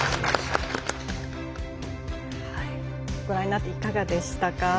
ご覧になっていかがでしたか？